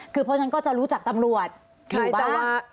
คือเพราะฉะนั้นก็จะรู้จักตำรวจอยู่บ้าง